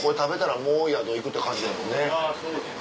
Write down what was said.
あぁそうですね。